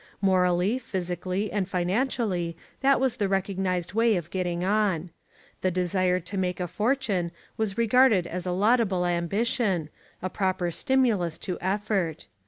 Morally, physically and financially that was the recognised way of getting on. The desire to make a fortune was regarded as a laudable ambition, a proper stimulus to effort.